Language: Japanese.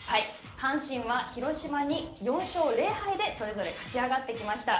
阪神は広島に４勝０敗でそれぞれ勝ち上がってきました。